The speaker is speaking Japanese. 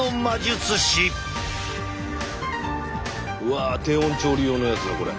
うわ低温調理用のやつだこれ。